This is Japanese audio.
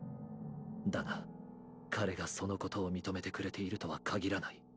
だが彼がその事を認めてくれているとは限らない。